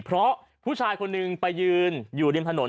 เพราะผู้ชายคนหนึ่งไปยืนอยู่ริมถนน